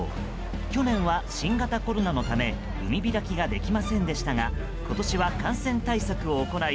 去年は新型コロナのため海開きができませんでしたが今年は感染対策を行い